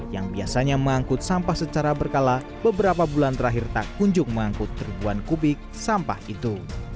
yang biasanya mengangkut sampah secara berkala beberapa bulan terakhir tak kunjung mengangkut ribuan kubik sampah itu